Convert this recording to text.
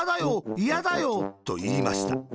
いやだよ。」と、いいました。